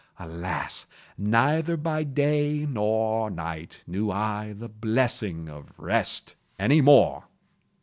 Alas! neither by day nor by night knew I the blessing of rest any more!